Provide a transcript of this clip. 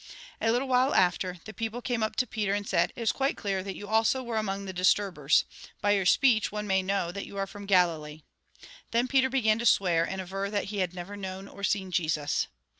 A little while after, the people came up to Peter, and said :" It is quite clear that you also were among the disturbers. By your speech one may know that you are from Galilee." Then Peter began to swear, and aver that he had never known or seen Jesus.